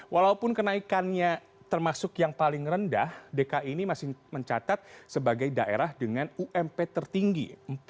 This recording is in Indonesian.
walaupun kenaikannya termasuk yang paling rendah dki ini masih mencatat sebagai daerah dengan ump tertinggi